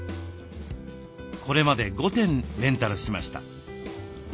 これまで５点レンタルしました。